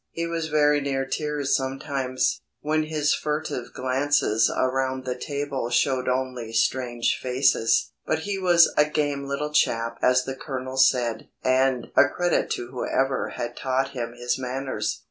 He was very near tears sometimes, when his furtive glances around the table showed only strange faces, but he was "a game little chap" as the Colonel said, and "a credit to whoever had taught him his manners."